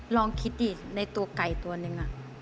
ลองคิดดิในตัวไก่ตัวนึง